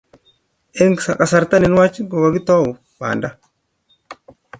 Eng kasarta ne nwach kokitoi banda